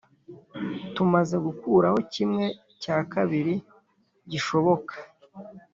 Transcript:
tumaze gukuraho kimwe cya kabiri gishoboka.